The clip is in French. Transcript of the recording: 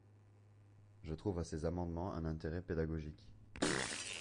Je trouve à ces amendements un intérêt pédagogique.